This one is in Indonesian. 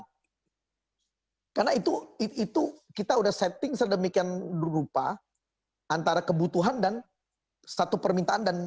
hai karena itu itu kita udah setting sedemikian berupa antara kebutuhan dan satu permintaan dan